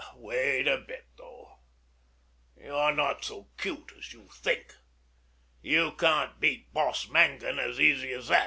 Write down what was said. Wait a bit, though: you're not so cute as you think. You can't beat Boss Mangan as easy as that.